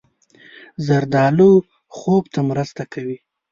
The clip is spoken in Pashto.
زردالو خوب ته مرسته کوي.